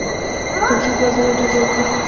توپچي دوه ځلي ډزې وکړې.